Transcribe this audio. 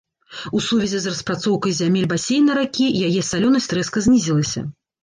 У сувязі з распрацоўкай зямель басейна ракі яе салёнасць рэзка знізілася.